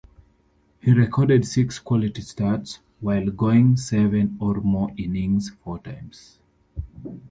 He recorded six quality starts, while going seven or more innings four times.